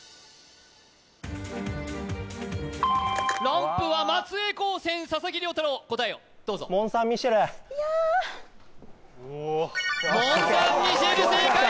ランプは松江高専佐々木涼太郎答えをどうぞモン・サン・ミシェルモン・サン・ミシェル正解！